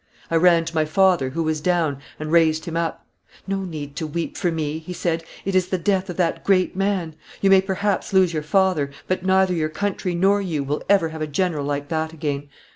I ran to my father, who was down, and raised him up. 'No need to weep for me,' he said; 'it is the death of that great man; you may, perhaps, lose your father, but neither your country nor you will ever have a general like that again.